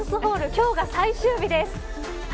今日が最終日です。